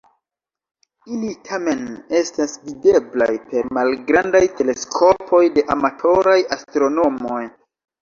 Ili tamen estas videblaj per malgrandaj teleskopoj de amatoraj astronomoj.